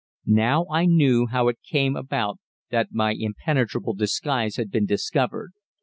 Now I knew how it came about that my impenetrable disguise had been discovered.